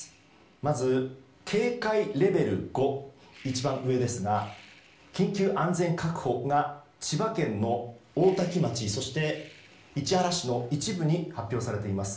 まず、警戒レベル５一番上ですが緊急安全確保が千葉県の大多喜町、そして市原市の一部に発表されています。